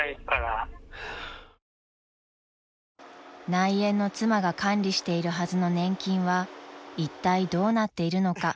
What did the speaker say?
［内縁の妻が管理しているはずの年金はいったいどうなっているのか？］